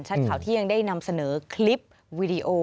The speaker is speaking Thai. ข่าวเที่ยงได้นำเสนอคลิปวีดีโอ